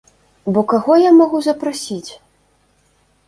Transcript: Бо каго я магу запрасіць?